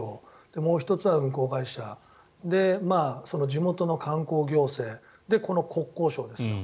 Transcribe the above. もう１つは運航会社地元の観光行政で、この国交省です。